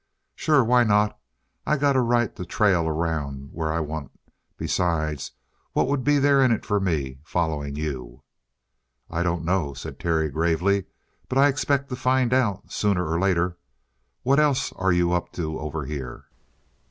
"Sure. Why not? I got a right to trail around where I want. Besides, what would there be in it for me following you?" "I don't know," said Terry gravely. "But I expect to find out sooner or later. What else are you up to over here?"